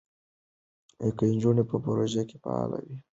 که نجونې په پروژو کې فعاله وي، باور او همکارۍ اړیکې ټینګېږي.